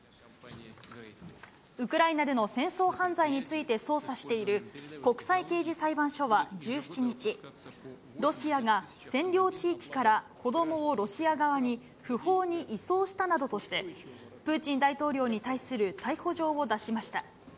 ウクライナでの戦争犯罪について捜査している国際刑事裁判所は１７日、ロシアが占領地域から子どもをロシア側に不法に移送したなどとして、プーチン大統領に対する逮捕状を出しました。